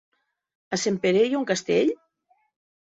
A Sempere hi ha un castell?